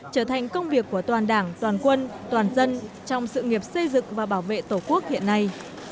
trở thành công việc của toàn đảng toàn quân toàn dân trong sự nghiệp xây dựng và bảo vệ tổ quốc hiện nay